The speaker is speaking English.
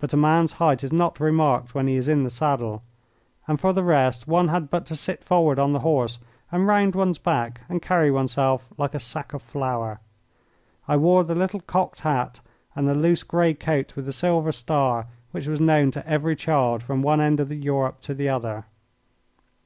But a man's height is not remarked when he is in the saddle, and for the rest one had but to sit forward on the horse and round one's back and carry oneself like a sack of flour. I wore the little cocked hat and the loose grey coat with the silver star which was known to every child from one end of Europe to the other.